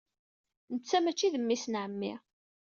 Netta maci d memmi-s n ɛemmi.